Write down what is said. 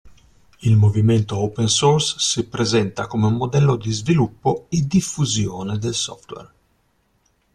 Il movimento Open Source si presenta come un modello di sviluppo e diffusione del software.